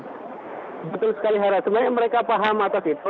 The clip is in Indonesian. sebenarnya mereka paham apa sih